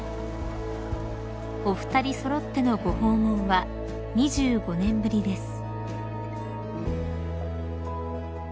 ［お二人揃ってのご訪問は２５年ぶりです］